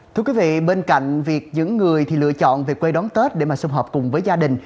thưa quý vị bên cạnh việc những người thì lựa chọn về quê đón tết để mà xung họp cùng với gia đình